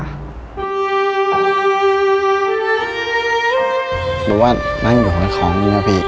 หรือว่านั่งอยู่กับของมันก็ผิด